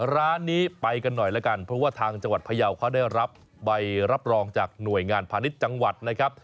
ร้านนี้ไปกันหน่อยแล้วกันเพราะว่าทางจังหวัดพยาวเขาได้รับใบรับรองจากหน่วยงานพาณิชย์จังหวัดนะครับ